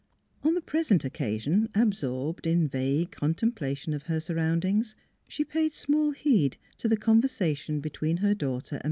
On the present occasion, absorbed in vague contemplation of her surroundings, she paid small heed to the conversation between her daughter and M.